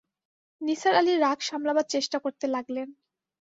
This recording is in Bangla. নিসার আলি রাগ সামলাবার চেষ্টা করতে লাগলেন।